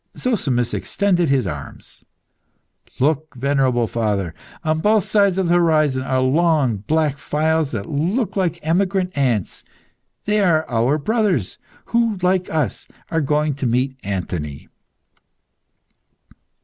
Zozimus extended his arms. "Look, venerable father! On both sides of the horizon are long, black files that look like emigrant ants. They are our brothers, who, like us, are going to meet Anthony."